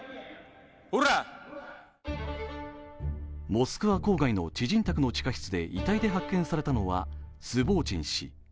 モスクワ郊外の知人宅の地下室で遺体で発見されたのはスボーチン氏。